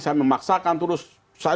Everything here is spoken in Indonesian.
saya memaksakan terus